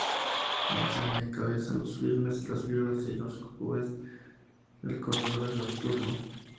En cine, encabeza los filmes "Las viudas de los jueves" y "El corredor nocturno".